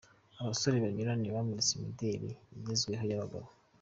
Abasore banyuranye bamuritse imideli igezweho y'abagabo.